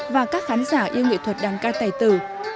và các khán giả yêu nghệ thuật đăng ca tài tử